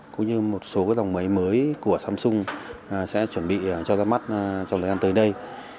cũng như một số dòng máy mới của samsung sẽ chuẩn bị cho ra mắt trong thời gian tới đây